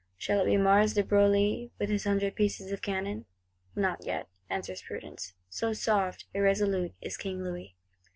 Shall it be Mars de Broglie, with his hundred pieces of cannon?—Not yet, answers prudence; so soft, irresolute is King Louis.